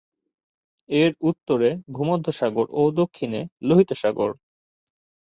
এর উত্তরে ভূমধ্যসাগর ও দক্ষিণে লোহিত সাগর।